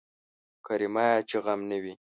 کرميه چې غم نه وي.